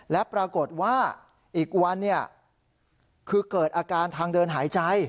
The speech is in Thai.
และปรากฏว่าอีกวันคือเกิดอาการทางเดินหายใจ